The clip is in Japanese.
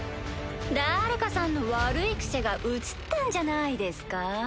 だれかさんの悪い癖がうつったんじゃないですか？